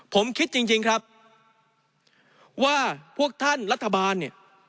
ผมคิดจริงครับว่าพวกท่านรัฐบาลเนี่ย